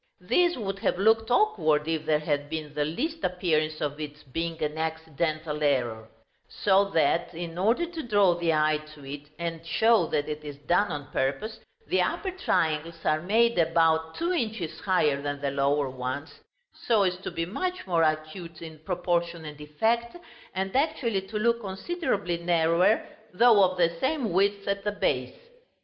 This would have looked awkward, if there had been the least appearance of its being an accidental error; so that, in order to draw the eye to it, and show that it is done on purpose, the upper triangles are made about two inches higher than the lower ones, so as to be much more acute in proportion and effect, and actually to look considerably narrower, though of the same width at the base.